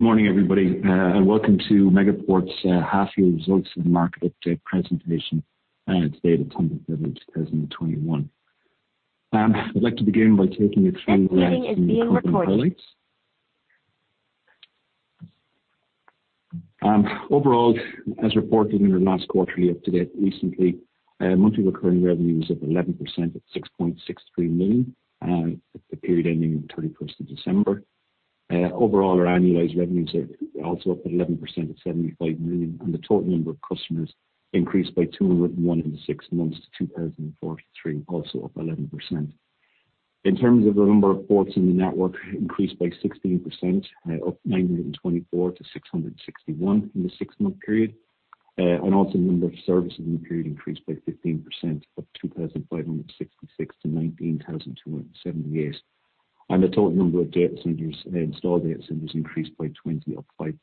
Good morning, everybody, and welcome to Megaport's half-year results and market update presentation today, the 10th of February 2021. I'd like to begin by taking you through some of the company highlights. Overall, as reported in our last quarterly update recently, monthly recurring revenue is up 11% at 6.63 million, at the period ending on the 31st of December. Overall, our annualized revenues are also up 11% at 75 million. The total number of customers increased by 201 in the six months to 2,043, also up 11%. In terms of the number of ports in the network increased by 16%, up 924 to 661 in the six-month period. The number of services in the period increased by 15%, up 2,566 to 19,278. The total number of installed data centers increased by 20, up 5%.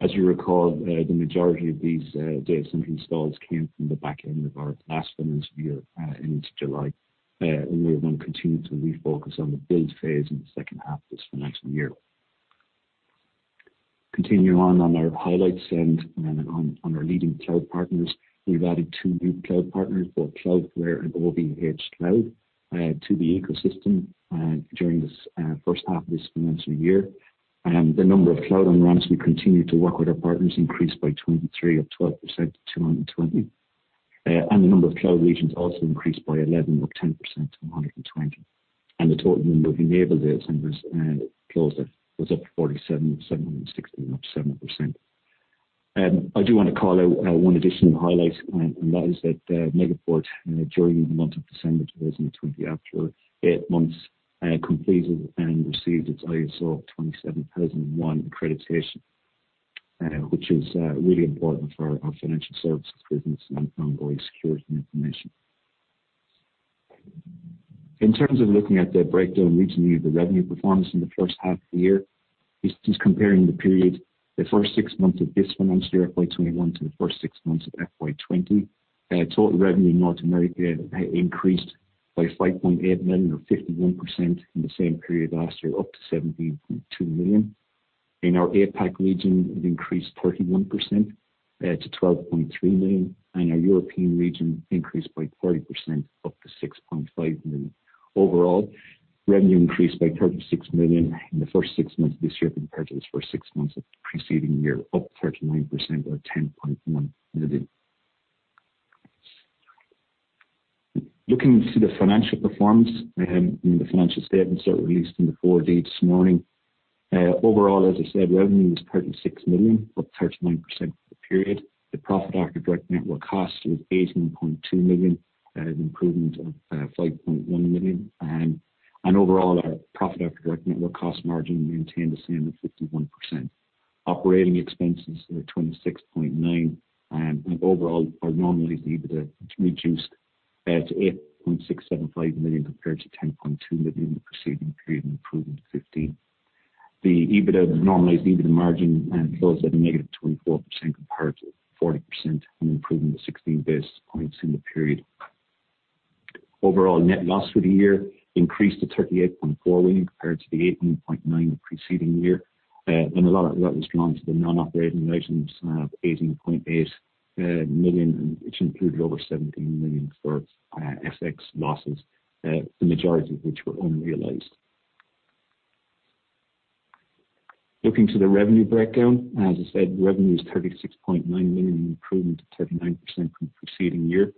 As you recall, the majority of these data center installs came from the back end of our last financial year into July. We're going to continue to refocus on the build phase in the second half of this financial year. Continuing on our highlights and on our leading cloud partners, we've added two new cloud partners, both Cloudflare and OVHcloud, to the ecosystem during this first half of this financial year. The number of cloud on-ramps, we continue to work with our partners, increased by 23, up 12% to 220. The number of cloud regions also increased by 11, up 10% to 120. The total number of enabled data centers closed was up to 47 of 760, up 7%. I do want to call out one additional highlight, and that is that Megaport, during the month of December 2020, after eight months, completed and received its ISO 27001 accreditation, which is really important for our financial services business and our security information. In terms of looking at the breakdown regionally of the revenue performance in the first half of the year, this is comparing the period the first six months of this financial year, FY 2021, to the first six months of FY 2020. Total revenue in North America increased by 5.8 million or 51% from the same period last year, up to 17.2 million. In our APAC region, it increased 31% to 12.3 million. Our European region increased by 30% up to 6.5 million. Overall, revenue increased by 36 million in the first six months of this year compared to the first six months of the preceding year, up 39% or 10.1 million. Looking to the financial performance in the financial statements that were released in the 4D this morning. Overall, as I said, revenue was 36 million, up 39% for the period. The profit after direct network cost was 18.2 million, an improvement of 5.1 million. Overall, our profit after direct network cost margin maintained the same at 51%. Operating expenses were 26.9 million, overall, our normalized EBITDA reduced to 8.675 million compared to 10.2 million in the preceding period, an improvement of 15. The normalized EBITDA margin closed at a negative 24% compared to 40%, an improvement of 16 basis points in the period. Overall net loss for the year increased to 38.4 million compared to the 18.9 million in the preceding year. A lot of that was down to the non-operating items of 18.8 million, which included over 17 million for FX losses, the majority of which were unrealized. Looking to the revenue breakdown. As I said, revenue is 36.9 million, an improvement of 39% from the preceding year.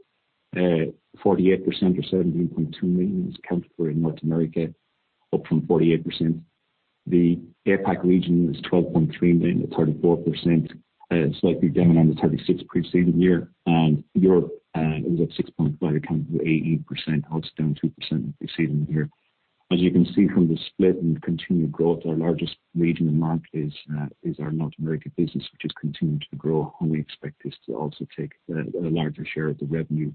48% or 17.2 million was accounted for in North America, up from 48%. The APAC region was 12.3 million at 34%, slightly down on the 36% preceding year. Europe was at 6.5 million, accounting for 18%, also down 2% from the preceding year. As you can see from the split and the continued growth, our largest region and market is our North American business, which has continued to grow, we expect this to also take a larger share of the revenue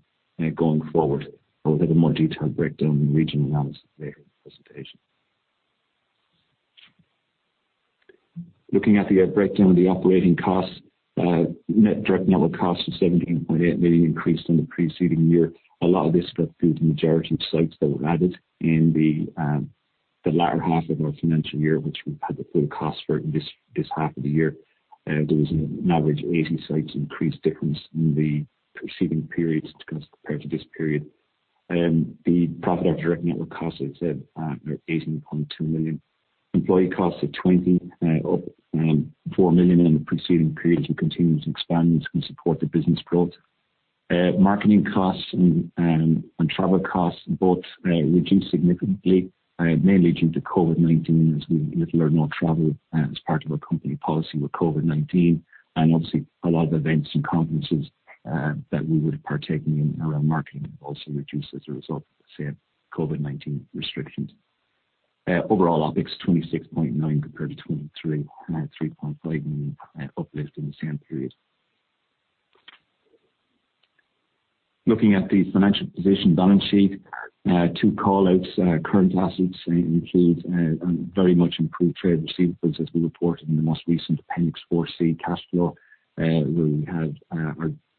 going forward. I'll have a more detailed breakdown in the regional analysis later in the presentation. Looking at the breakdown of the operating costs. Net direct network cost of 17.8 million increased in the preceding year. A lot of this got through the majority of sites that were added in the latter half of our financial year, which we've had the full cost for it in this half of the year. There was an average 80 sites increase difference in the preceding periods compared to this period. The profit after direct network cost, as I said, are 18.2 million. Employee costs of 20 up, 4 million in the preceding period to continue to expand and support the business growth. Marketing costs and travel costs both reduced significantly, mainly due to COVID-19 as we little or no travel as part of our company policy with COVID-19. Obviously, a lot of events and conferences that we would have partaken in around marketing also reduced as a result of the same COVID-19 restrictions. Overall, OpEx aud 26.9 million compared to 23.5 million uplift in the same period. Looking at the financial position balance sheet. Two call-outs. Current assets include very much improved trade receivables as we reported in the most recent Appendix 4C cash flow, where we had our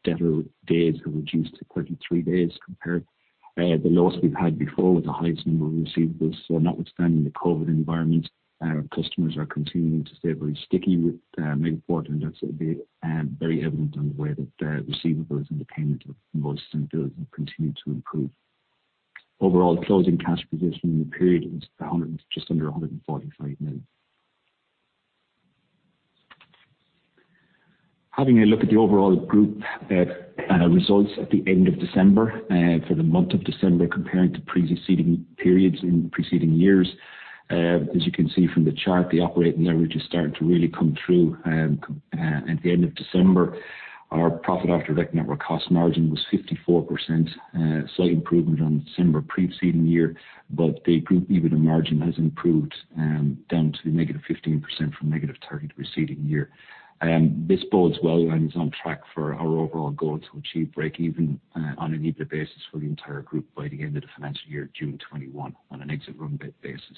debtor days have reduced to 33 days. The lowest we've had before was the highest number we've received. Notwithstanding the COVID environment, our customers are continuing to stay very sticky with Megaport, and that's been very evident in the way that the receivables and the payment of invoices and bills have continued to improve. Overall closing cash position in the period is just under 145 million. Having a look at the overall group results at the end of December for the month of December, comparing to preceding periods in preceding years. As you can see from the chart, the operating leverage is starting to really come through. At the end of December, our profit after direct network cost margin was 54%, slight improvement on December preceding year. The group EBITDA margin has improved down to negative 15% from negative 30% the preceding year. This bodes well and is on track for our overall goal to achieve breakeven on an EBITDA basis for the entire group by the end of the financial year, June 2021 on an exit run rate basis.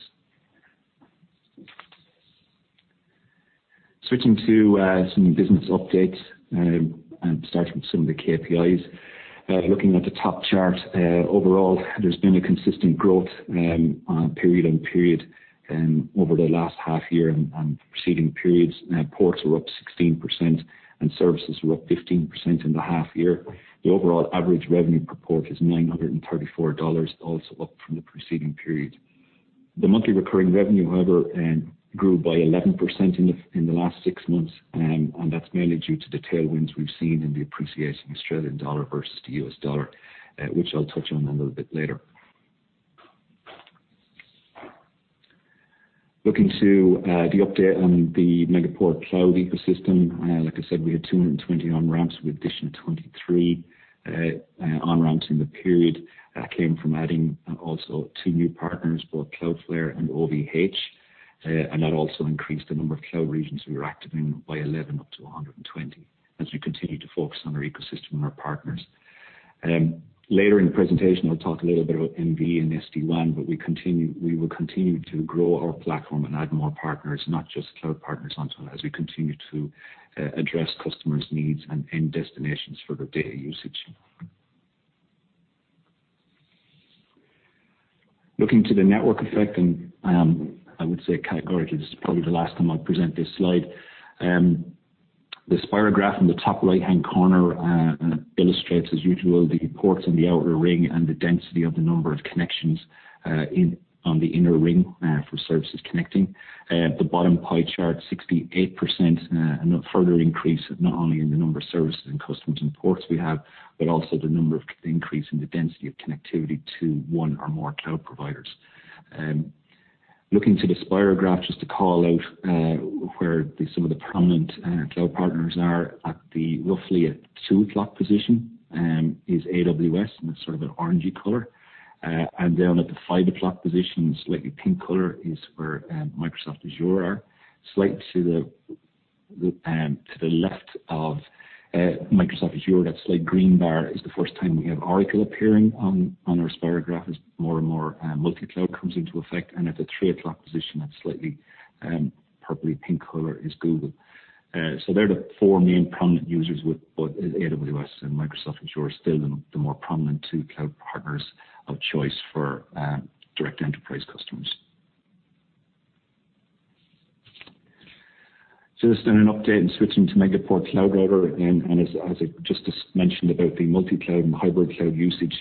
Switching to some business updates, starting with some of the KPIs. Looking at the top chart, overall there's been a consistent growth on period-on-period over the last half-year and preceding periods. Ports were up 16% and services were up 15% in the half-year. The overall average revenue per port is 934 dollars, also up from the preceding period. The monthly recurring revenue, however, grew by 11% in the last six months. That's mainly due to the tailwinds we've seen in the appreciating Australian dollar versus the U.S. dollar, which I'll touch on a little bit later. Looking to the update on the Megaport cloud ecosystem. Like I said, we had 220 on-ramps. We additioned 23 on-ramps in the period. That came from adding also two new partners, both Cloudflare and OVH. That also increased the number of cloud regions we were active in by 11, up to 120. As we continue to focus on our ecosystem and our partners. Later in the presentation, I'll talk a little bit about MVE and SD-WAN, but we will continue to grow our platform and add more partners, not just cloud partners, onto it as we continue to address customers' needs and end destinations for their data usage. Looking to the network effect, and I would say categorically, this is probably the last time I'll present this slide. The spirograph in the top right-hand corner illustrates as usual, the ports in the outer ring and the density of the number of connections on the inner ring for services connecting. The bottom pie chart, 68%, another further increase not only in the number of services and customers and ports we have, but also the number of increase in the density of connectivity to one or more cloud providers. Looking to the spirograph, just to call out where some of the prominent cloud partners are. At the roughly at 2:00 position is AWS in sort of an orangey color. Down at the 5:00 position, slightly pink color, is where Microsoft Azure are. Slight to the left of Microsoft Azure, that slight green bar is the first time we have Oracle appearing on our spirograph as more and more multi-cloud comes into effect. At the 3:00 position, that slightly purply-pink color is Google. They're the four main prominent users, with both AWS and Microsoft Azure still the more prominent two cloud partners of choice for direct enterprise customers. Just an update and switching to Megaport Cloud Router. As I just mentioned about the multi-cloud and hybrid cloud usage,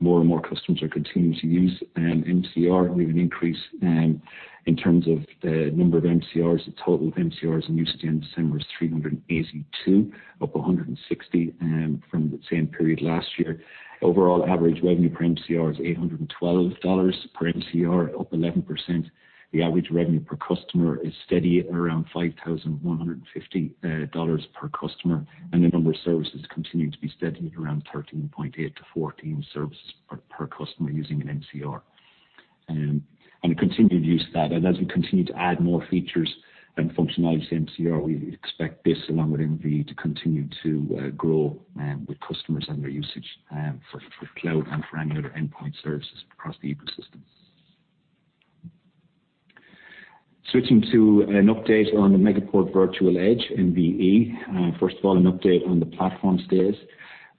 more and more customers are continuing to use MCR. We have an increase in terms of the number of MCRs. The total of MCRs in use at the end of December is 382, up 160 from the same period last year. Overall average revenue per MCR is 812 dollars per MCR, up 11%. The average revenue per customer is steady at around 5,150 dollars per customer, and the number of services continuing to be steady at around 13.8-14 services per customer using an MCR. A continued use of that. As we continue to add more features and functionality to MCR, we expect this along with MVE to continue to grow with customers and their usage, for cloud and for any other endpoint services across the ecosystem. Switching to an update on the Megaport Virtual Edge, MVE. First of all, an update on the platform status.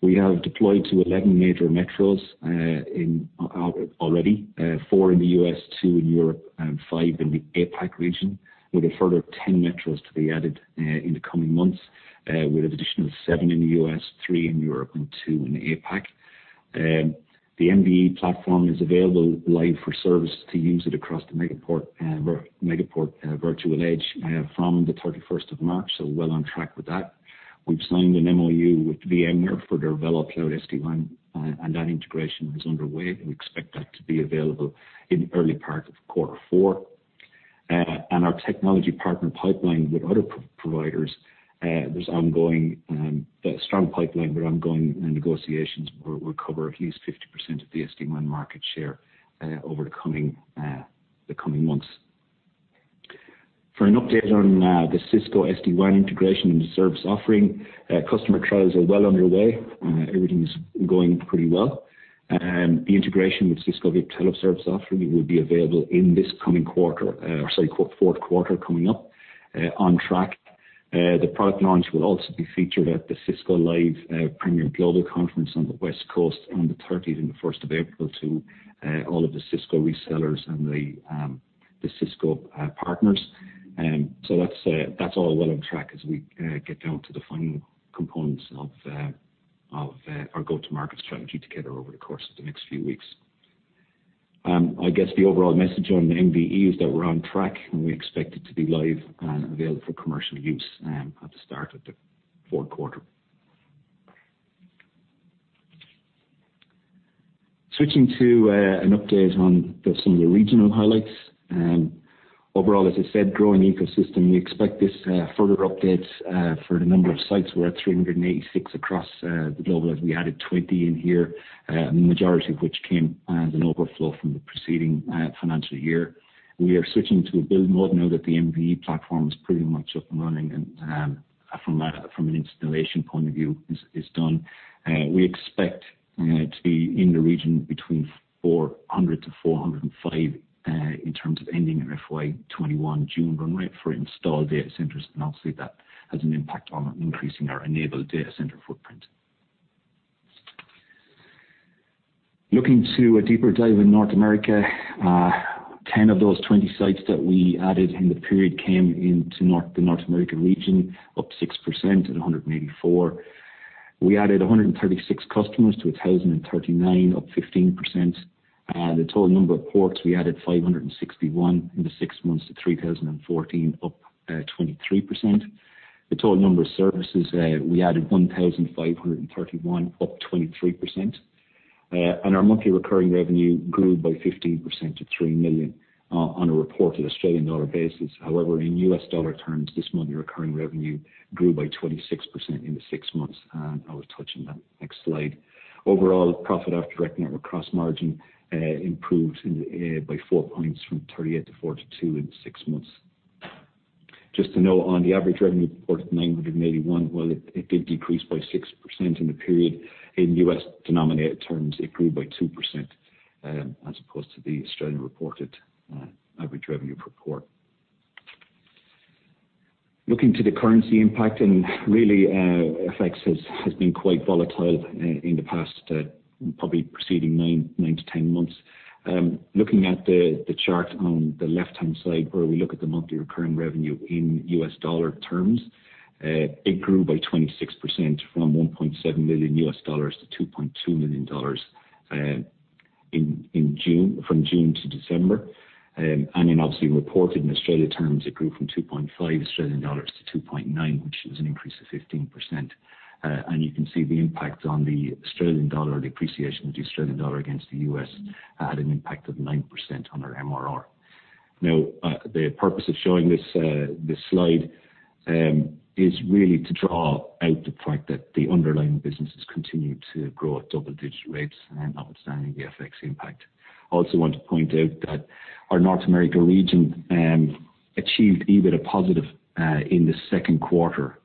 We have deployed to 11 major metros already. Four in the U.S., two in Europe, and five in the APAC region, with a further 10 metros to be added in the coming months, with an additional seven in the U.S., three in Europe, and two in the APAC. The MVE platform is available live for service to use it across the Megaport Virtual Edge from the 31st of March, well on track with that. We've signed an MoU with VMware for their VeloCloud SD-WAN, and that integration is underway. We expect that to be available in the early part of quarter four. Our technology partner pipeline with other providers, there's ongoing, strong pipeline, but ongoing negotiations will cover at least 50% of the SD-WAN market share over the coming months. For an update on the Cisco SD-WAN integration and the service offering, customer trials are well underway. Everything is going pretty well. The integration with Cisco Viptela service offering will be available in this coming quarter. Sorry, fourth quarter coming up on track. The product launch will also be featured at the Cisco Live Premier Global Conference on the West Coast on the 30th and the 1st of April to all of the Cisco resellers and the Cisco partners. That's all well on track as we get down to the final components of our go-to-market strategy together over the course of the next few weeks. I guess the overall message on the MVE is that we're on track, and we expect it to be live and available for commercial use at the start of the fourth quarter. Switching to an update on some of the regional highlights. Overall, as I said, growing ecosystem. We expect this further updates for the number of sites. We're at 386 across the globe as we added 20 in here, the majority of which came as an overflow from the preceding financial year. We are switching to a build mode now that the MVE platform is pretty much up and running and from an installation point of view is done. We expect to be in the region between 400-405 in terms of ending our FY 2021 June run rate for installed data centers, and obviously that has an impact on increasing our enabled data center footprint. Looking to a deeper dive in North America. Ten of those 20 sites that we added in the period came into the North American region, up 6% at 184. We added 136 customers to 1,039, up 15%. The total number of ports, we added 561 in the six months to 3,014, up 23%. The total number of services, we added 1,531, up 23%. Our monthly recurring revenue grew by 15% to 3 million on a reported Australian dollar basis. However, in U.S. dollar terms, this monthly recurring revenue grew by 26% in the six months. I will touch on that next slide. Overall, profit after direct network cost margin improved by four points from 38% to 42% in six months. Just to note on the average revenue per port of 981, while it did decrease by 6% in the period, in U.S. denominated terms, it grew by 2% as opposed to the AUD reported average revenue per port. Looking to the currency impact, really FX has been quite volatile in the past, probably preceding 9-10 months. Looking at the chart on the left-hand side where we look at the monthly recurring revenue in U.S. dollar terms, it grew by 26% from $1.7 million-$2.2 million from June to December. In obviously reported in AUD terms, it grew from 2.5-2.9 Australian dollars, which is an increase of 15%. You can see the impact on the Australian dollar, the appreciation of the Australian dollar against the U.S. had an impact of 9% on our MRR. Now, the purpose of showing this slide is really to draw out the fact that the underlying businesses continued to grow at double-digit rates and notwithstanding the FX impact. Also want to point out that our North American region achieved EBITDA positive in the second quarter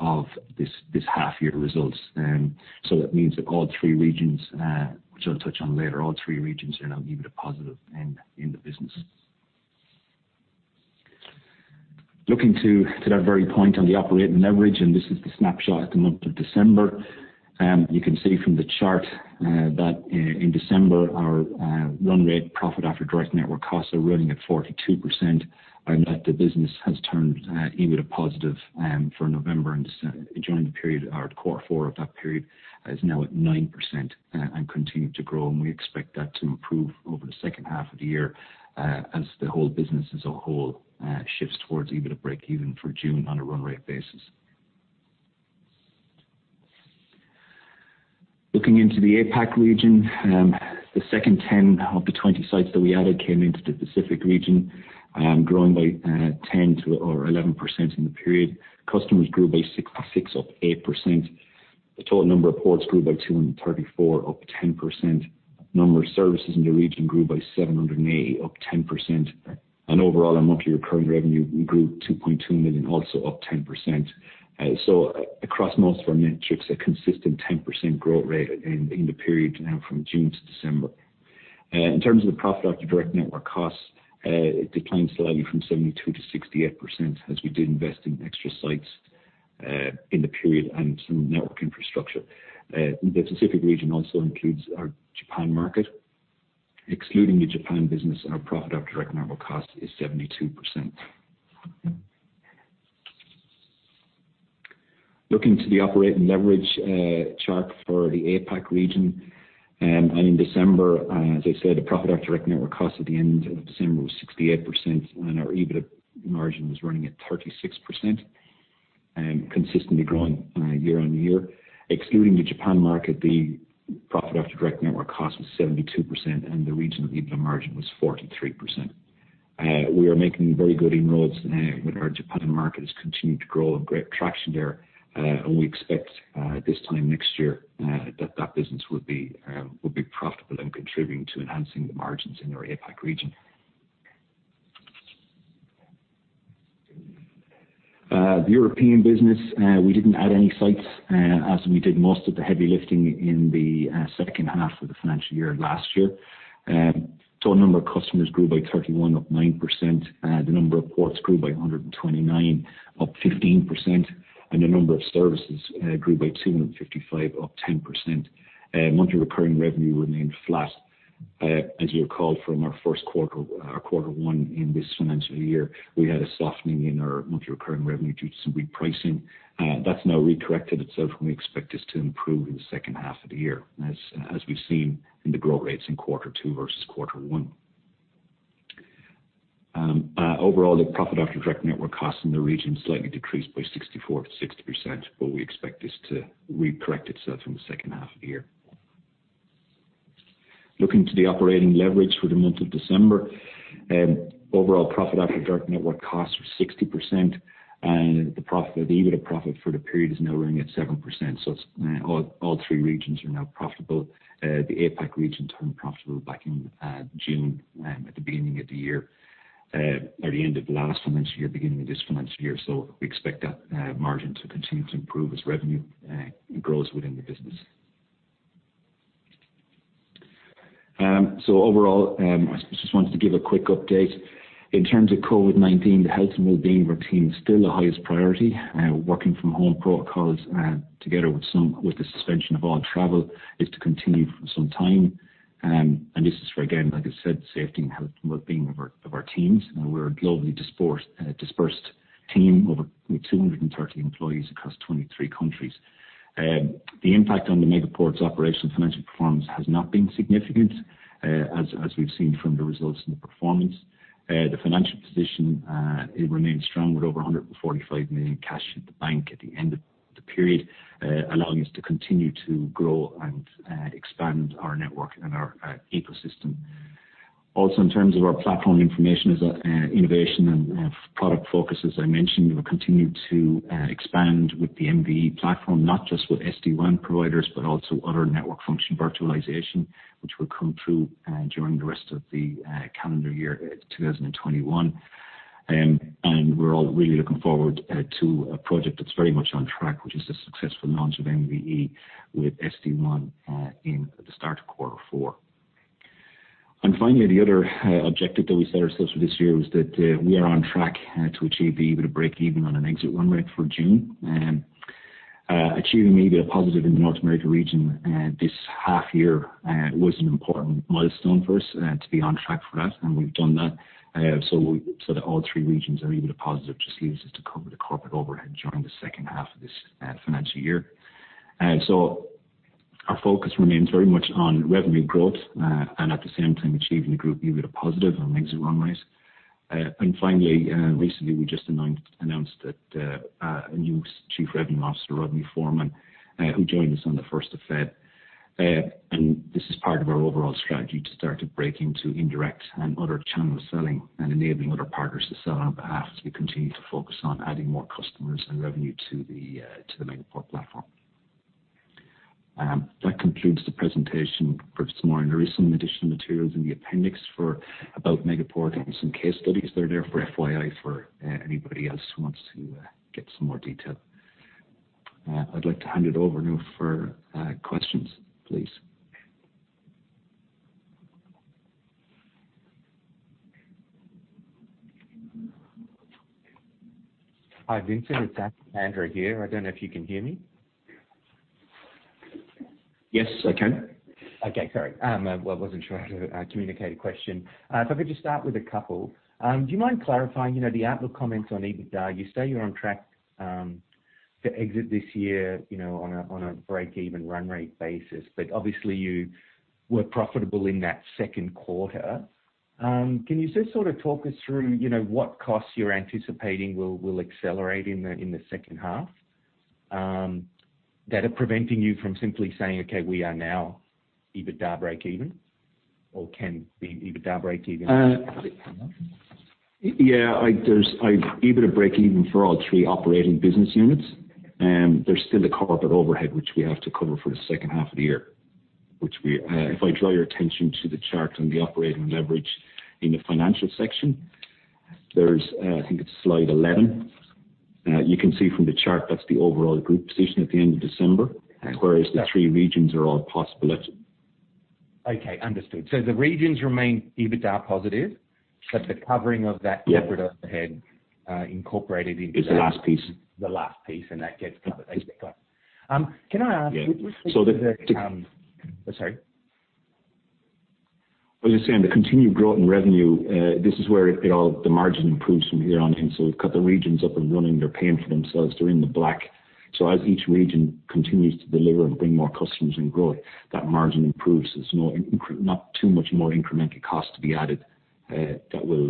of this half-year results. That means that all three regions, which I will touch on later, all three regions are now EBITDA positive in the business. Looking to that very point on the operating leverage, this is the snapshot at the month of December. You can see from the chart that in December, our run rate profit after direct network costs are running at 42%. The business has turned EBITDA positive for November. During the period, our quarter four of that period is now at 9% and continued to grow. We expect that to improve over the second half of the year as the whole business as a whole shifts towards EBITDA breakeven for June on a run rate basis. Looking into the APAC region. The second 10 of the 20 sites that we added came into the Pacific region, growing by 10% or 11% in the period. Customers grew by 66, up 8%. The total number of ports grew by 234, up 10%. Number of services in the region grew by 780, up 10%. Overall, our monthly recurring revenue grew 2.2 million, also up 10%. Across most of our metrics, a consistent 10% growth rate in the period now from June to December. In terms of the profit after direct network costs, it declines slightly from 72% to 68% as we did invest in extra sites in the period and some network infrastructure. The Pacific region also includes our Japan market. Excluding the Japan business, our profit after direct network cost is 72%. Looking to the operating leverage chart for the APAC region. In December, as I said, the profit after direct network cost at the end of December was 68%, and our EBITDA margin was running at 36% and consistently growing year-on-year. Excluding the Japan market, the profit after direct network cost was 72%, and the regional EBITDA margin was 43%. We are making very good inroads with our Japan markets, continue to grow and great traction there. We expect this time next year that that business will be profitable and contributing to enhancing the margins in our APAC region. The European business, we didn't add any sites as we did most of the heavy lifting in the second half of the financial year last year. The number of customers grew by 31, up 9%. The number of ports grew by 129, up 15%, and the number of services grew by 255, up 10%. Monthly recurring revenue remained flat. As you'll recall from our first quarter one in this financial year, we had a softening in our monthly recurring revenue due to some repricing. That's now re-corrected itself, and we expect this to improve in the second half of the year as we've seen in the growth rates in quarter two versus quarter one. Overall, the profit after direct network costs in the region slightly decreased by 64%-60%. We expect this to re-correct itself in the second half of the year. Looking to the operating leverage for the month of December. Overall profit after direct network costs was 60%. The EBITDA profit for the period is now running at 7%. All three regions are now profitable. The APAC region turned profitable back in June, at the beginning of the year. By the end of last financial year, beginning of this financial year. We expect that margin to continue to improve as revenue grows within the business. Overall, I just wanted to give a quick update. In terms of COVID-19, the health and wellbeing of our team is still the highest priority. Working from home protocols, together with the suspension of all travel, is to continue for some time. This is for, again, like I said, safety and health and wellbeing of our teams. We're a globally dispersed team, over 230 employees across 23 countries. The impact on the Megaport's operational financial performance has not been significant, as we've seen from the results and the performance. The financial position, it remains strong with over 145 million cash in the bank at the end of the period, allowing us to continue to grow and expand our network and our ecosystem. In terms of our platform information, innovation and product focus, as I mentioned, we will continue to expand with the MVE platform, not just with SD-WAN providers, but also other network function virtualization, which will come through during the rest of the calendar year 2021. We're all really looking forward to a project that's very much on track, which is the successful launch of MVE with SD-WAN in the start of quarter four. Finally, the other objective that we set ourselves for this year was that we are on track to achieve the EBITDA break even on an exit run rate for June. Achieving EBITDA positive in the North America region this half-year was an important milestone for us to be on track for that, and we've done that. That all three regions are EBITDA positive just leaves us to cover the corporate overhead during the second half of this financial year. Our focus remains very much on revenue growth, and at the same time achieving the group EBITDA positive on an exit run rate. Finally, recently we just announced a new Chief Revenue Officer, Rodney Foreman, who joined us on the 1st of February. This is part of our overall strategy to start to break into indirect and other channels of selling and enabling other partners to sell on our behalf as we continue to focus on adding more customers and revenue to the Megaport platform. That concludes the presentation. Perhaps tomorrow there is some additional materials in the appendix for about Megaport and some case studies that are there for FYI, for anybody else who wants to get some more detail. I'd like to hand it over now for questions, please. Hi, Vincent, it's Andrew here. I don't know if you can hear me. Yes, I can. Okay, sorry. I wasn't sure how to communicate a question. If I could just start with a couple. Do you mind clarifying the outlook comments on EBITDA? You say you're on track to exit this year on a break even run rate basis. Obviously you were profitable in that second quarter. Can you just sort of talk us through what costs you're anticipating will accelerate in the second half that are preventing you from simply saying, "Okay, we are now EBITDA break even." Or can be EBITDA break even? Yeah. There's EBITDA break even for all three operating business units. There's still the corporate overhead, which we have to cover for the second half of the year. If I draw your attention to the chart on the operating leverage in the financial section. I think it's slide 11. You can see from the chart that's the overall group position at the end of December. Okay. Whereas the three regions are all positive. Okay, understood. The regions remain EBITDA positive, but the covering of that- Yeah. Corporate overhead, incorporated into. Is the last piece? The last piece, and that gets covered as we go. Can I ask quickly? Yeah. Sorry. I was just saying, the continued growth in revenue, this is where the margin improves from here on in. We've got the regions up and running. They're paying for themselves. They're in the black. As each region continues to deliver and bring more customers and growth, that margin improves. There's not too much more incremental cost to be added that will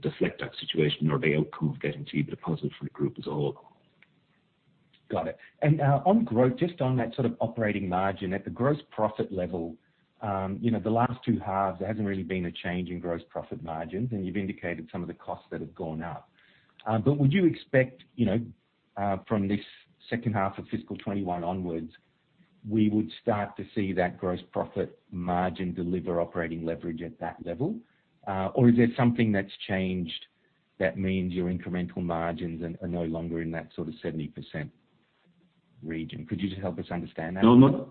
deflect that situation or the outcome of getting to EBITDA positive for the group as a whole. Got it. On growth, just on that sort of operating margin, at the gross profit level, the last two halves, there hasn't really been a change in gross profit margins, and you've indicated some of the costs that have gone up. Would you expect from this second half of fiscal 2021 onwards, we would start to see that gross profit margin deliver operating leverage at that level? Is there something that's changed that means your incremental margins are no longer in that sort of 70% range? Region. Could you just help us understand that?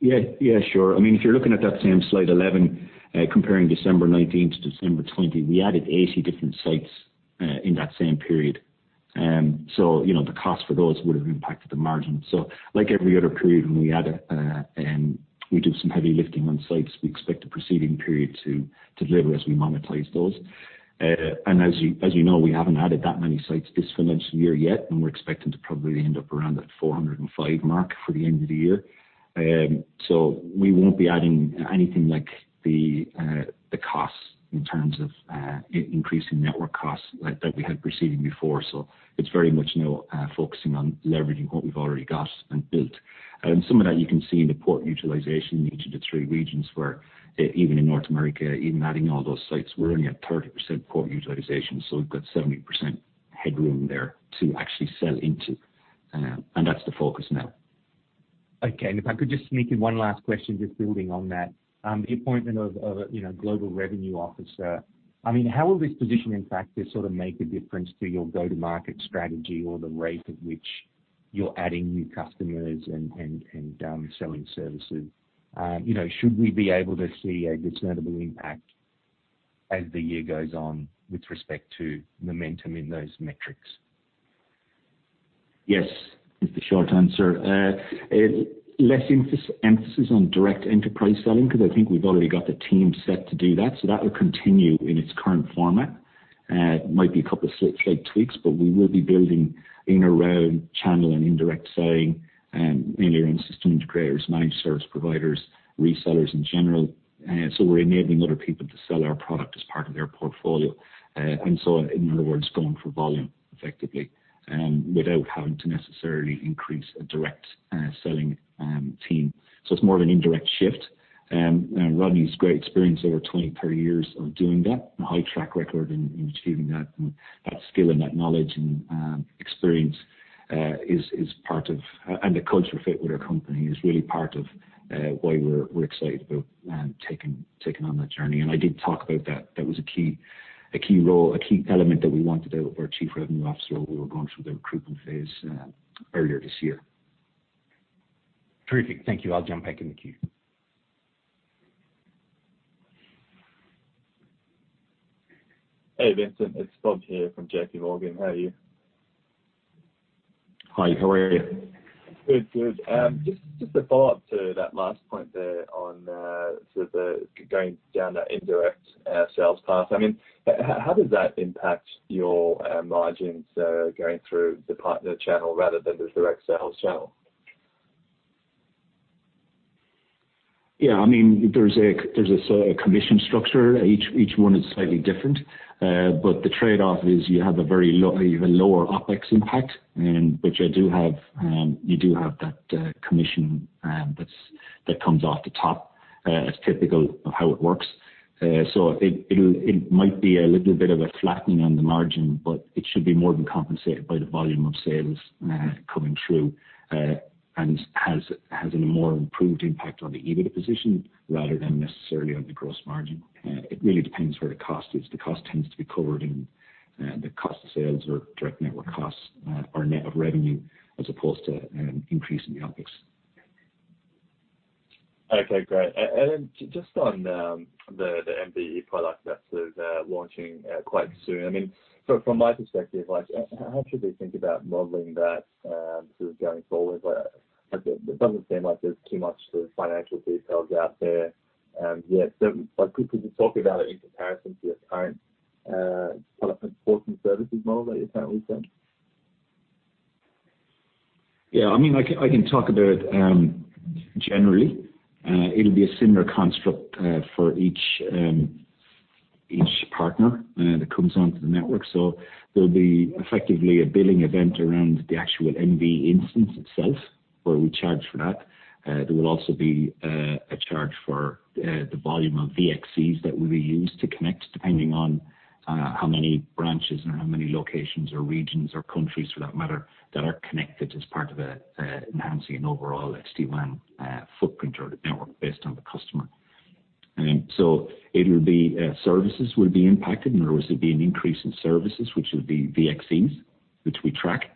Yeah, sure. If you're looking at that same slide 11, comparing December 2019 to December 2020, we added 80 different sites in that same period. The cost for those would've impacted the margin. Like every other period when we do some heavy lifting on sites, we expect the proceeding period to deliver as we monetize those. As you know, we haven't added that many sites this financial year yet, and we're expecting to probably end up around that 405 mark for the end of the year. We won't be adding anything like the costs in terms of increasing network costs, like that we had preceding before. It's very much now focusing on leveraging what we've already got and built. Some of that you can see in the port utilization in each of the three regions where even in North America, even adding all those sites, we're only at 30% port utilization. We've got 70% headroom there to actually sell into. That's the focus now. Okay. If I could just sneak in one last question, just building on that. The appointment of a global revenue officer, how will this position, in fact, make a difference to your go-to-market strategy or the rate at which you're adding new customers and selling services? Should we be able to see a considerable impact as the year goes on with respect to momentum in those metrics? Yes, is the short answer. Less emphasis on direct enterprise selling, because I think we've already got the team set to do that. That will continue in its current format. Might be a couple of slight tweaks, but we will be building in around channel and indirect selling, mainly around system integrators, managed service providers, resellers in general. We're enabling other people to sell our product as part of their portfolio. In other words, going for volume effectively, without having to necessarily increase a direct selling team. It's more of an indirect shift. Rodney's great experience over 20, 30 years of doing that and a high track record in achieving that and that skill and that knowledge and experience and the cultural fit with our company is really part of why we're excited about taking on that journey. I did talk about that. That was a key element that we wanted out of our Chief Revenue Officer role. We were going through the recruitment phase earlier this year. Terrific. Thank you. I'll jump back in the queue. Hey, Vincent. It's Bob here from JPMorgan. How are you? Hi. How are you? Good. Just a follow-up to that last point there on going down that indirect sales path. How does that impact your margins going through the partner channel rather than the direct sales channel? There's a commission structure. Each one is slightly different. The trade-off is you have a lower OpEx impact. You do have that commission that comes off the top, as typical of how it works. It might be a little bit of a flattening on the margin, but it should be more than compensated by the volume of sales coming through and has a more improved impact on the EBITDA position rather than necessarily on the gross margin. It really depends where the cost is. The cost tends to be covered in the cost of sales or direct network costs or net of revenue as opposed to an increase in the OpEx. Okay, great. Just on the MVE product that's launching quite soon. From my perspective, how should we think about modeling that sort of going forward? It doesn't seem like there's too much financial details out there. Yet, could you talk about it in comparison to your current product and support and services model, is that what you said? Yeah. I can talk about generally. It'll be a similar construct for each partner that comes onto the network. There'll be effectively a billing event around the actual MVE instance itself where we charge for that. There will also be a charge for the volume of VXCs that will be used to connect, depending on how many branches or how many locations or regions or countries for that matter, that are connected as part of announcing an overall SD-WAN footprint or the network based on the customer. Services will be impacted and there will also be an increase in services, which will be VXCs, which we track.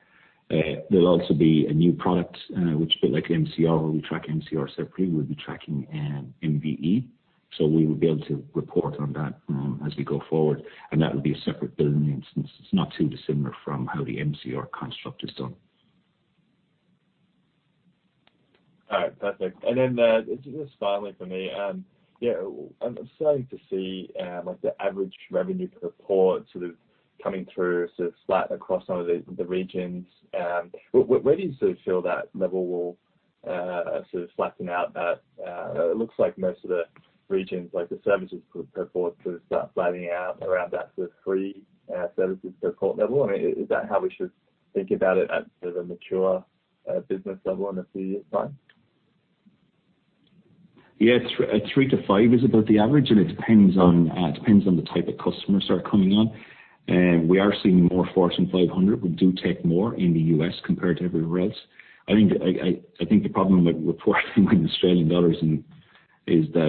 There'll also be a new product, which a bit like MCR, where we track MCR separately, we'll be tracking MVE. We will be able to report on that as we go forward. That will be a separate billing instance. It's not too dissimilar from how the MCR construct is done. All right, perfect. Just finally from me. I'm starting to see the average revenue per port sort of coming through sort of flat across some of the regions. Where do you feel that level will sort of flatten out at? It looks like most of the regions, like the services per port sort of start flattening out around that sort of three services per port level. Is that how we should think about it at sort of a mature business level in a few years' time? Three to five is about the average, and it depends on the type of customers that are coming on. We are seeing more Fortune 500, we do take more in the U.S. compared to everywhere else. I think the problem with reporting in Australian dollars is that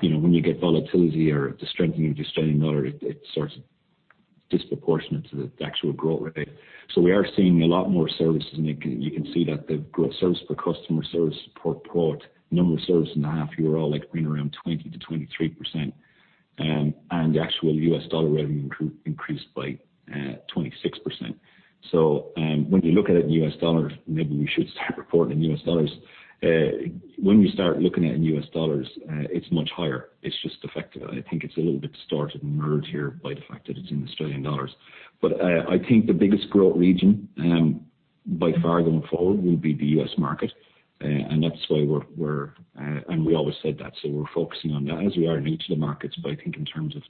when you get volatility or the strengthening of the Australian dollar, disproportionate to the actual growth rate. We are seeing a lot more services, and you can see that the growth service per customer, service per port, number of services in the half-year are all like been around 20%-23%. The actual U.S. dollar revenue increased by 26%. When you look at it in U.S. dollar, maybe we should start reporting in U.S. dollars. When we start looking at it in U.S. dollars, it's much higher. It's just affected. I think it's a little bit distorted and merged here by the fact that it's in Australian dollars. I think the biggest growth region by far going forward will be the U.S. market. That's why we always said that, we're focusing on that as we are in each of the markets. I think in terms of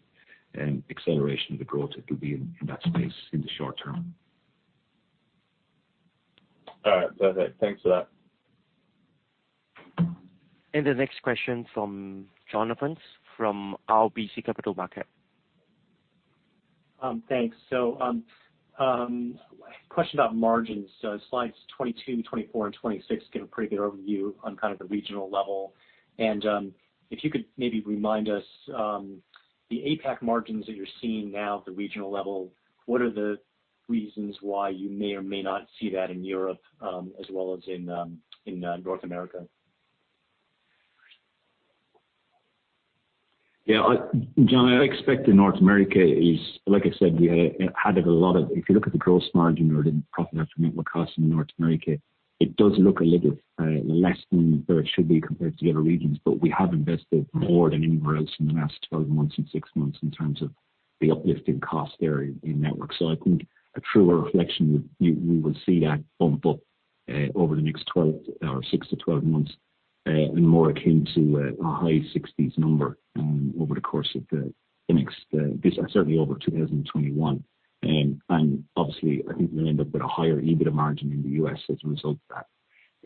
acceleration of the growth, it will be in that space in the short term. All right. Perfect. Thanks for that. The next question from Jonathan from RBC Capital Markets. Thanks. Question about margins. Slides 22, 24, and 26 give a pretty good overview on kind of the regional level. If you could maybe remind us, the APAC margins that you're seeing now at the regional level, what are the reasons why you may or may not see that in Europe as well as in North America? Yeah. Jonathan, I expect in North America. If you look at the gross margin or the profit after network costs in North America, it does look a little less than where it should be compared to the other regions. But we have invested more than anywhere else in the last 12 months and six months in terms of the uplift in cost there in network. So I think a truer reflection would, you will see that bump up over the next 12 or 6-12 months, and more akin to a high 60s number over the course of certainly over 2021. And obviously, I think we'll end up with a higher EBITDA margin in the U.S. as a result of that.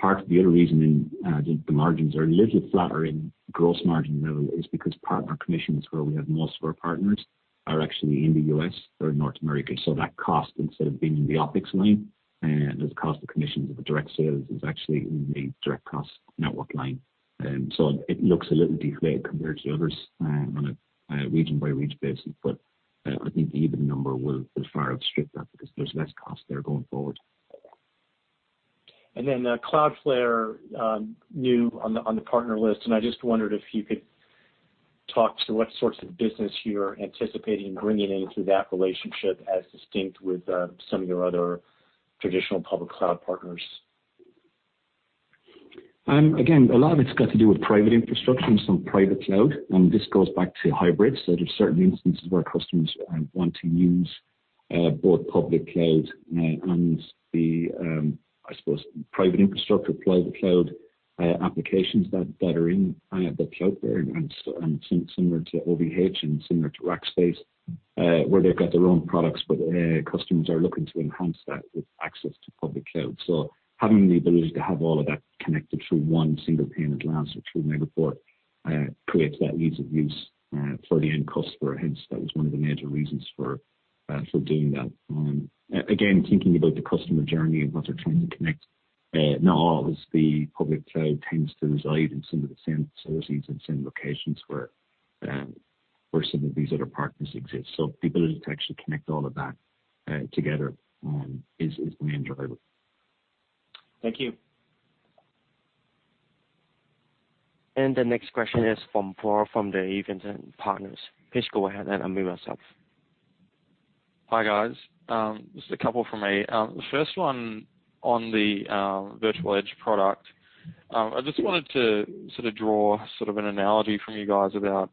Part of the other reason in the margins are a little flatter in gross margin level is because part of our commission is where we have most of our partners are actually in the U.S. or in North America. That cost, instead of being in the OpEx line as a cost of commissions of the direct sales, is actually in the direct cost network line. It looks a little deflated compared to others on a region by region basis. I think the EBIT number will far outstrip that because there's less cost there going forward. Then Cloudflare new on the partner list, and I just wondered if you could talk to what sorts of business you're anticipating bringing in through that relationship as distinct with some of your other traditional public cloud partners. A lot of it's got to do with private infrastructure and some private cloud. This goes back to hybrid. There's certain instances where customers want to use both public cloud and the, I suppose, private infrastructure, private cloud applications that are in the cloud there and similar to OVH and similar to Rackspace. Where they've got their own products. Customers are looking to enhance that with access to public cloud. Having the ability to have all of that connected through one single pane of glass or through Megaport creates that ease of use for the end customer. That was one of the major reasons for doing that. Thinking about the customer journey and what they're trying to connect. Not always the public cloud tends to reside in some of the same facilities and same locations where some of these other partners exist. The ability to actually connect all of that together is the main driver. Thank you. The next question is from Paul from the Evans and Partners. Please go ahead, and unmute yourself. Hi, guys. Just a couple from me. The first one on the Virtual Edge product. I just wanted to sort of draw sort of an analogy from you guys about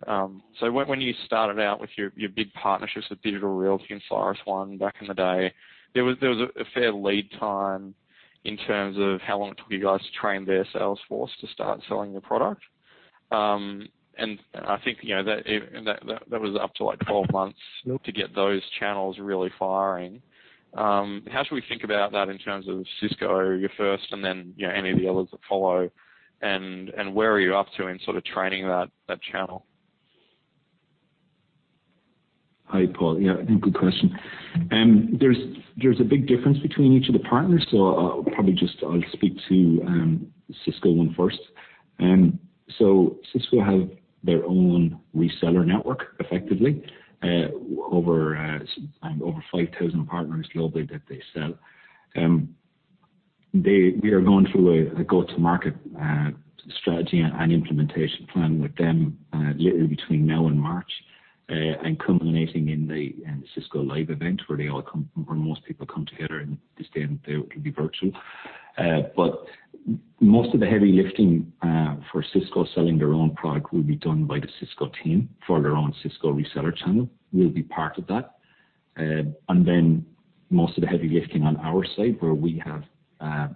when you started out with your big partnerships with Digital Realty and CyrusOne back in the day, there was a fair lead time in terms of how long it took you guys to train their sales force to start selling your product. I think that was up to 12 months to get those channels really firing. How should we think about that in terms of Cisco, your first and then any of the others that follow, and where are you up to in sort of training that channel? Hi, Paul. Yeah, good question. There's a big difference between each of the partners. I'll probably just, I'll speak to Cisco one first. Cisco have their own reseller network, effectively, over 5,000 partners globally that they sell. We are going through a go-to-market strategy and implementation plan with them literally between now and March and culminating in the Cisco Live event where most people come together, and this day and date will be virtual. Most of the heavy lifting for Cisco selling their own product will be done by the Cisco team for their own Cisco reseller channel. We'll be part of that. Then most of the heavy lifting on our side, where we have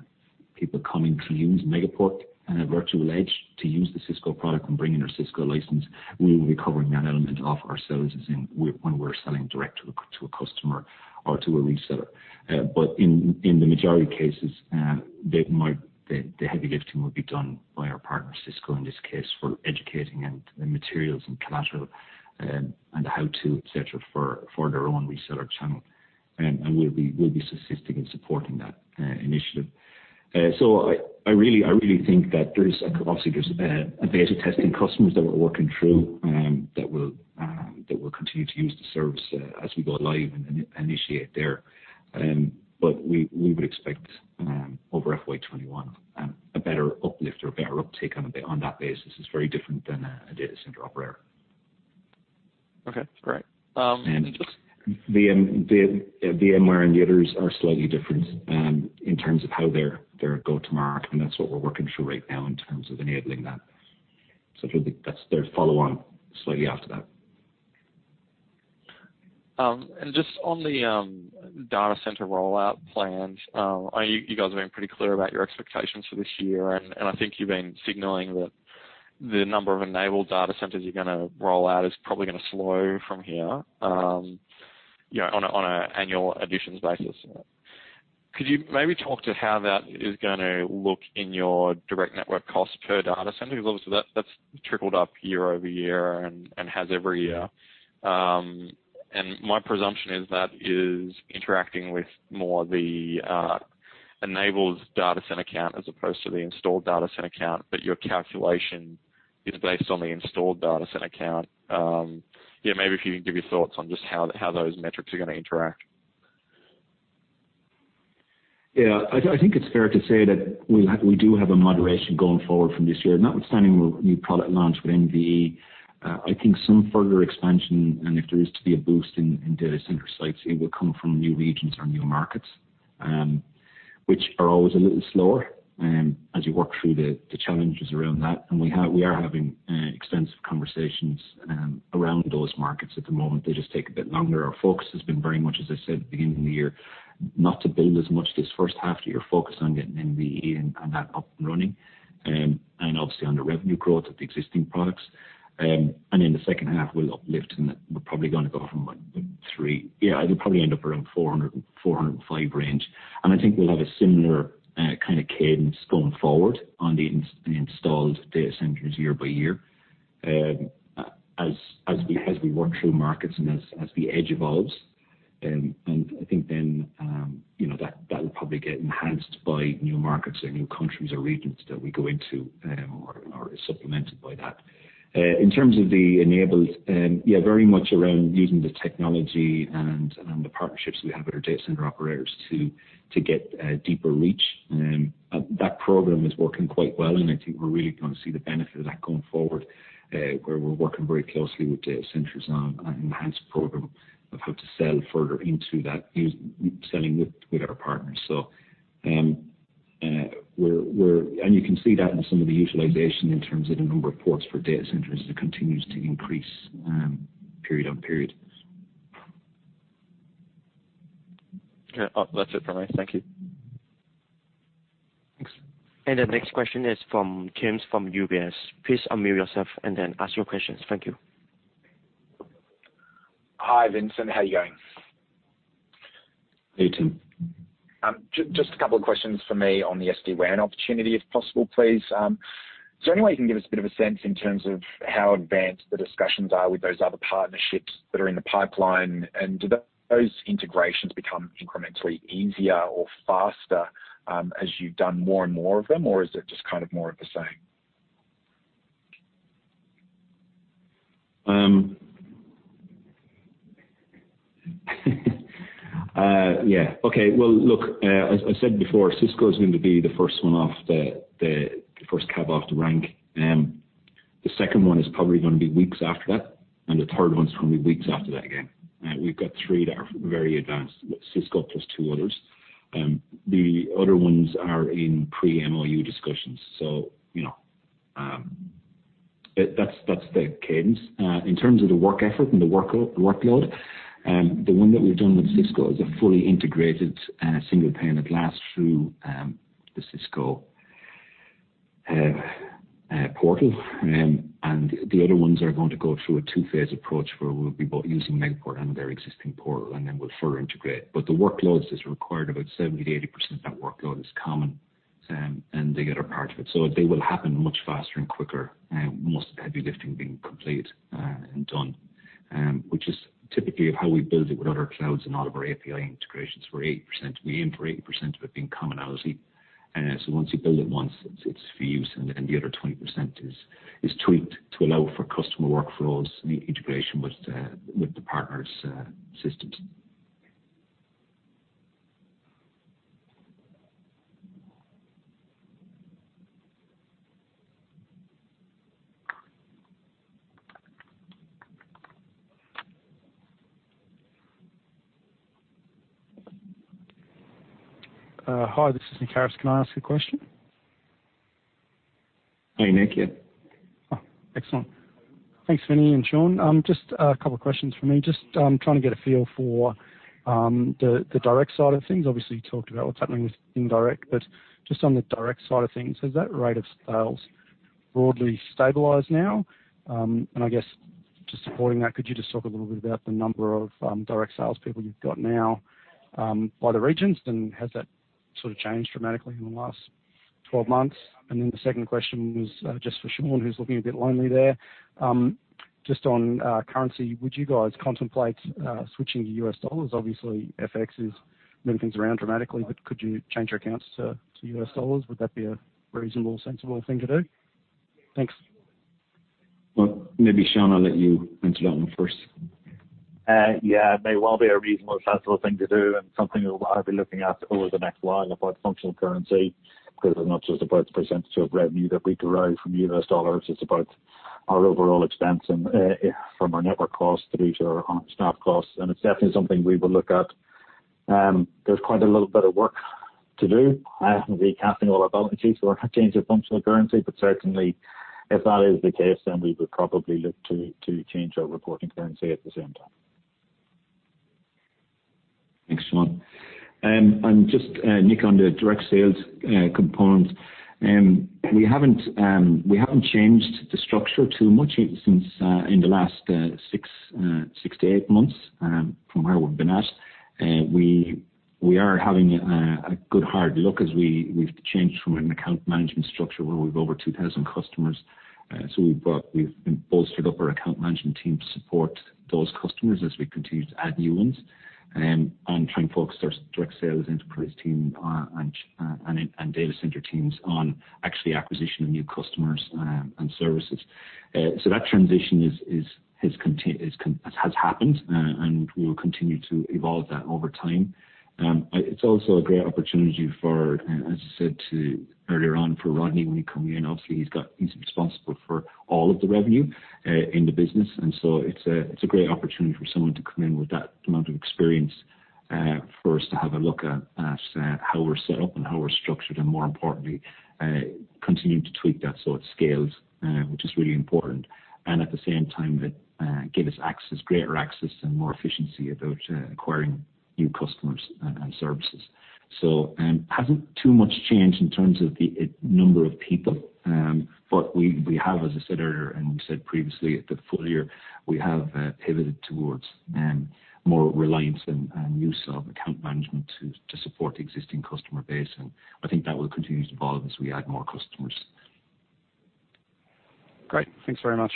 people coming to use Megaport and Virtual Edge to use the Cisco product and bring in their Cisco license. We will be covering that element off ourselves as in when we're selling direct to a customer or to a reseller. In the majority of cases, the heavy lifting will be done by our partner, Cisco, in this case, for educating and the materials and collateral and the how-to, et cetera, for their own reseller channel. We'll be assisting in supporting that initiative. I really think that obviously there's beta testing customers that we're working through that will continue to use the service as we go live and initiate there. We would expect over FY 2021 a better uplift or a better uptake on that basis. It's very different than a data center operator. Okay. Great. VMware and the others are slightly different in terms of how they're go to market, and that's what we're working through right now in terms of enabling that. That's their follow on slightly after that. Just on the data center rollout plans, you guys have been pretty clear about your expectations for this year, and I think you've been signaling that the number of enabled data centers you're going to roll out is probably going to slow from here on an annual additions basis. Could you maybe talk to how that is going to look in your direct network cost per data center? Because obviously that's trickled up year-over-year and has every year. My presumption is that is interacting with more of the enabled data center count as opposed to the installed data center count. Your calculation is based on the installed data center count. Maybe if you can give your thoughts on just how those metrics are going to interact. Yeah. I think it's fair to say that we do have a moderation going forward from this year, notwithstanding new product launch with MVE. I think some further expansion, and if there is to be a boost in data center sites, it will come from new regions or new markets, which are always a little slower as you work through the challenges around that. We are having extensive conversations around those markets at the moment. They just take a bit longer. Our focus has been very much, as I said at the beginning of the year, not to build as much this first half of the year focused on getting MVE and that up and running, and obviously on the revenue growth of the existing products. In the second half we'll uplift and we'll probably end up around 400-405 range. I think we'll have a similar kind of cadence going forward on the installed data centers year by year as we work through markets and as the Edge evolves. I think then that'll probably get enhanced by new markets or new countries or regions that we go into or is supplemented by that. In terms of the enables, very much around using the technology and the partnerships we have with our data center operators to get deeper reach. That program is working quite well, and I think we're really going to see the benefit of that going forward, where we're working very closely with data centers on an enhanced program of how to sell further into that, selling with our partners. You can see that in some of the utilization in terms of the number of ports for data centers as it continues to increase period on period. Okay. That's it from me. Thank you. Thanks. The next question is from Tim from UBS. Please unmute yourself and then ask your questions. Thank you. Hi, Vincent. How are you going? Hey, Tim. Just a couple of questions from me on the SD-WAN opportunity, if possible, please. Is there any way you can give us a bit of a sense in terms of how advanced the discussions are with those other partnerships that are in the pipeline? Do those integrations become incrementally easier or faster as you've done more and more of them, or is it just kind of more of the same? Okay. Look, as I said before, Cisco's going to be the first cab off the rank. The second one is probably going to be weeks after that, and the third one's going to be weeks after that again. We've got three that are very advanced, Cisco plus two others. The other ones are in pre-MoU discussions. That's the cadence. In terms of the work effort and the workload, the one that we've done with Cisco is a fully integrated single pane of glass through the Cisco portal. The other ones are going to go through a two-phase approach where we'll be both using Megaport and their existing portal, then we'll further integrate. The workloads is required about 70%-80% of that workload is common. They will happen much faster and quicker, most of the heavy lifting being complete and done, which is typically of how we build it with other clouds and all of our API integrations for 80%. We aim for 80% of it being commonality. Once you build it once, it's for use, and the other 20% is tweaked to allow for customer workflows and the integration with the partners' systems. Hi, this is Nick Harris. Can I ask a question? Hi, Nick. Yeah. Excellent. Thanks, Vincent and Sean. Just a couple of questions from me. Just trying to get a feel for the direct side of things. You talked about what's happening with indirect, just on the direct side of things, has that rate of sales broadly stabilized now? I guess just supporting that, could you just talk a little bit about the number of direct sales people you've got now by the regions, and has that sort of changed dramatically in the last 12 months. The second question was just for Sean, who's looking a bit lonely there. Just on currency, would you guys contemplate switching to U.S. dollars? FX is moving things around dramatically, could you change your accounts to U.S. dollars? Would that be a reasonable, sensible thing to do? Thanks. Well, maybe, Sean, I'll let you answer that one first. Yeah. It may well be a reasonable, sensible thing to do and something that I'll be looking at over the next while about functional currency, because it's not just about the percentage of revenue that we derive from U.S. dollars, it's about our overall expense and from our network costs through to our staff costs, and it's definitely something we will look at. There's quite a little bit of work to do. I have to be casting all our balances or change of functional currency. Certainly, if that is the case, then we would probably look to change our reporting currency at the same time. Thanks, Sean. Just, Nick, on the direct sales component, we haven't changed the structure too much in the last six to eight months, from where we've been at. We are having a good hard look as we've changed from an account management structure where we've over 2,000 customers. We've bolstered up our account management team to support those customers as we continue to add new ones and trying to focus our direct sales enterprise team and data center teams on actually acquisition of new customers and services. That transition has happened, and we will continue to evolve that over time. It's also a great opportunity for, as I said earlier on, for Rodney when he come in. Obviously, he's responsible for all of the revenue in the business, and so it's a great opportunity for someone to come in with that amount of experience for us to have a look at how we're set up and how we're structured, and more importantly, continue to tweak that so it scales, which is really important. At the same time, give us greater access and more efficiency about acquiring new customers and services. Hasn't too much changed in terms of the number of people. We have, as I said earlier, and we said previously at the full-year, we have pivoted towards more reliance and use of account management to support the existing customer base. I think that will continue to evolve as we add more customers. Great. Thanks very much.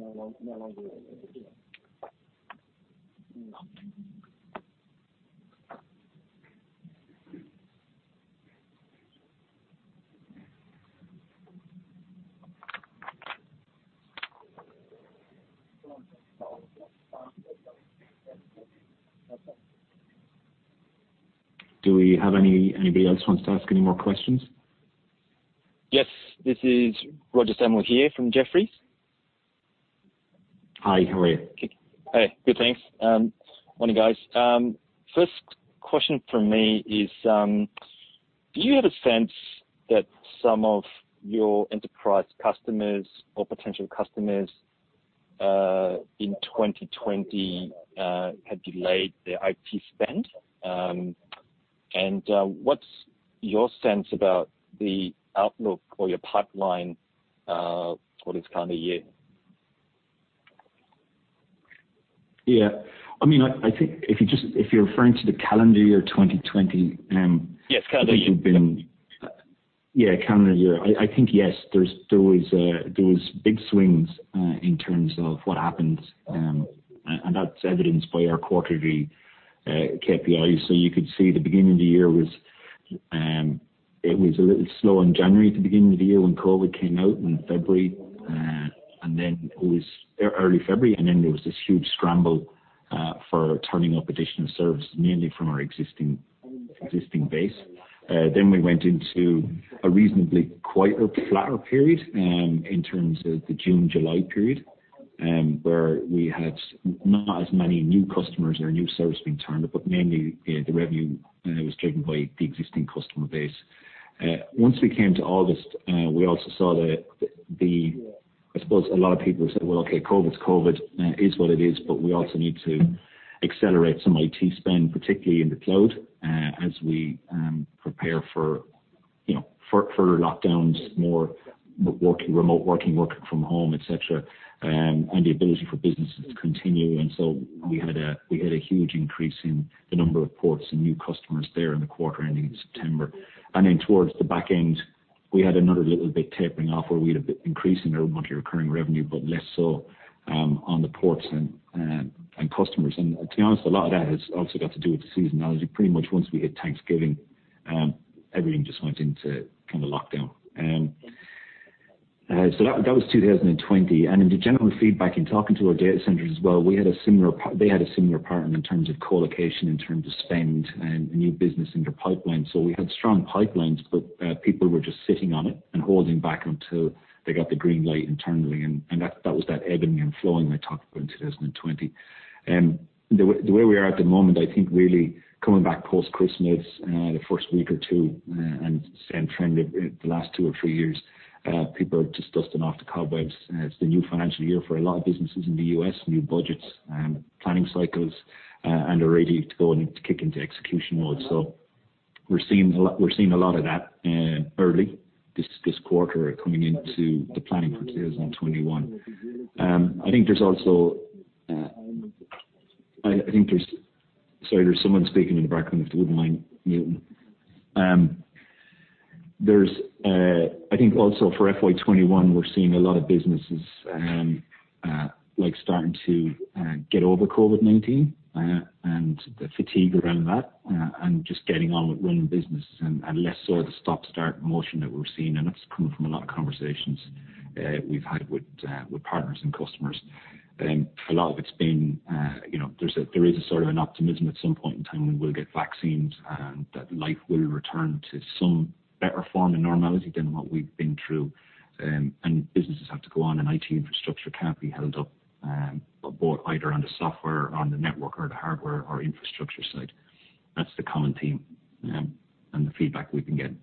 Cool. Do we have anybody else who wants to ask any more questions? Yes. This is Roger Samuel here from Jefferies. Hi, how are you? Hey. Good, thanks. Morning, guys. First question from me is, do you have a sense that some of your enterprise customers or potential customers in 2020 had delayed their IT spend? What's your sense about the outlook for your pipeline for this calendar year? Yeah. I think if you're referring to the calendar year 2020- Yes, calendar year. Yeah, calendar year. I think yes, there was big swings in terms of what happened, and that's evidenced by our quarterly KPIs. You could see the beginning of the year was a little slow in January at the beginning of the year when COVID came out in February. Early February, there was this huge scramble for turning up additional services, mainly from our existing base. We went into a reasonably quieter, flatter period, in terms of the June, July period, where we had not as many new customers or new service being turned up, but mainly the revenue was driven by the existing customer base. Once we came to August, we also saw the I suppose a lot of people said, "Well, okay, COVID's COVID." It is what it is, we also need to accelerate some IT spend, particularly in the cloud, as we prepare for further lockdowns, more remote working from home, et cetera, and the ability for businesses to continue. We had a huge increase in the number of ports and new customers there in the quarter ending in September. Then towards the back end, we had another little bit tapering off where we had a big increase in the monthly recurring revenue, but less so on the ports and customers. To be honest, a lot of that has also got to do with the seasonality. Pretty much once we hit Thanksgiving, everything just went into kind of lockdown. That was 2020. In the general feedback in talking to our data centers as well, they had a similar pattern in terms of colocation, in terms of spend and new business in their pipeline. We had strong pipelines, but people were just sitting on it and holding back until they got the green light internally, and that was that ebbing and flowing I talked about in 2020. The way we are at the moment, I think really coming back post-Christmas, the first week or two, and same trend the last two or three years, people are just dusting off the cobwebs. It's the new financial year for a lot of businesses in the U.S., new budgets, planning cycles, and are ready to go and to kick into execution mode. We're seeing a lot of that early this quarter coming into the planning for 2021. I think there's also, sorry, there's someone speaking in the background. If they wouldn't mind muting. I think for FY 2021, we're seeing a lot of businesses starting to get over COVID-19 and the fatigue around that, and just getting on with running businesses and less so the stop-start motion that we're seeing. That's coming from a lot of conversations we've had with partners and customers. A lot of it's been, there is a sort of an optimism at some point in time we will get vaccines, and that life will return to some better form and normality than what we've been through. Businesses have to go on, and IT infrastructure can't be held up either on the software or on the network or the hardware or infrastructure side. That's the common theme and the feedback we've been getting.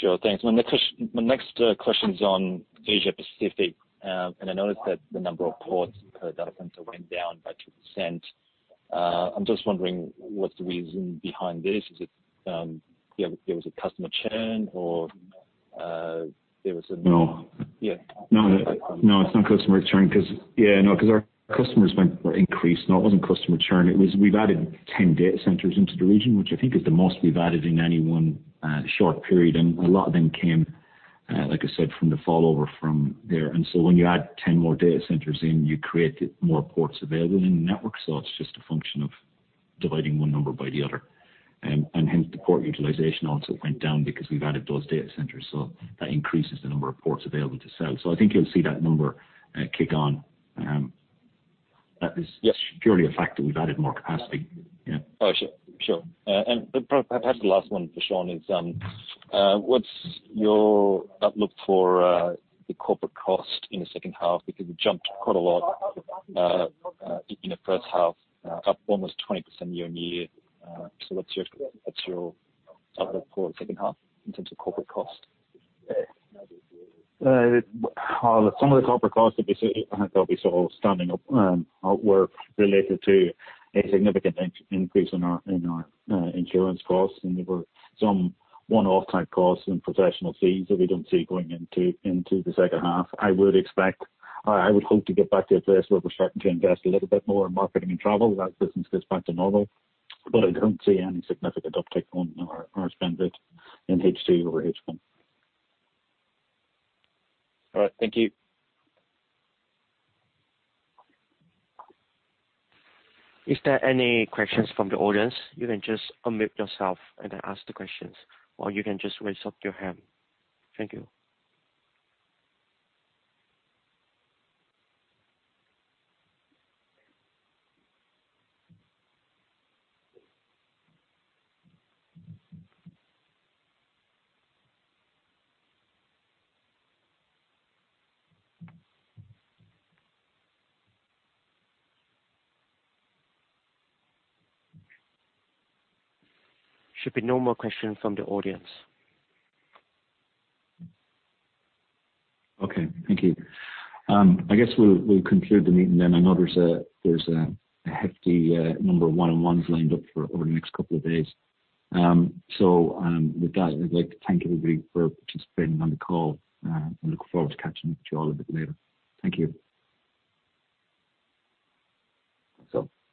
Sure. Thanks. My next question is on Asia-Pacific. I noticed that the number of ports per data center went down by 2%. I'm just wondering what's the reason behind this. Is it there was a customer churn or there was a- No. Yeah. No, it's not customer churn because our customers were increased. No, it wasn't customer churn. We've added 10 data centers into the region, which I think is the most we've added in any one short period. A lot of them came, like I said, from the fallover from there. When you add 10 more data centers in, you create more ports available in the network. It's just a function of dividing one number by the other. Hence the port utilization also went down because we've added those data centers. That increases the number of ports available to sell. I think you'll see that number kick on. Yes. Purely a fact that we've added more capacity. Yeah. Oh, sure. Perhaps the last one for Sean is, what's your outlook for the corporate cost in the second half? It jumped quite a lot in the first half, up almost 20% year-on-year. What's your outlook for the second half in terms of corporate cost? Some of the corporate costs, I think they'll be sort of standing up, were related to a significant increase in our insurance costs, and there were some one-off type costs and professional fees that we don't see going into the second half. I would hope to get back to a place where we're starting to invest a little bit more in marketing and travel as business gets back to normal. I don't see any significant uptick on our spend rate in H2 over H1. All right. Thank you. Is there any questions from the audience? You can just unmute yourself and then ask the questions, or you can just raise up your hand. Thank you. Should be no more questions from the audience. Okay. Thank you. I guess we'll conclude the meeting then. I know there's a hefty number of one-on-ones lined up for over the next couple of days. So with that, I'd like to thank everybody for participating on the call. I look forward to catching up with you all a bit later. Thank you.